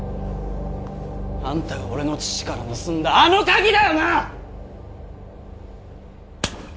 あんたが俺の父から盗んだあの鍵だよな！